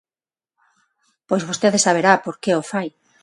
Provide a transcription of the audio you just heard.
Pois vostede saberá por que o fai.